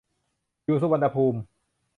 อยู่สุวรรณภูมิ